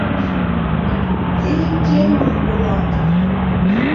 Тый гений улат!..